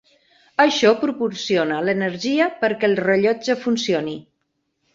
Això proporciona l'energia perquè el rellotge funcioni.